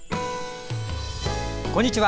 こんにちは。